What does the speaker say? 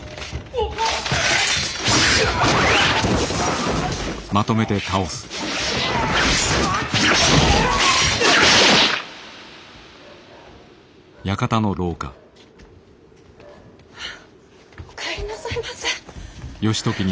おっ！お帰りなさいませ。